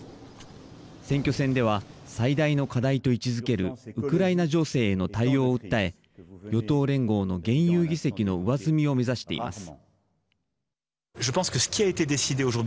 選挙戦では最大の課題と位置づけるウクライナ情勢への対応を訴え与党連合の現有議席の上積みを目指しています。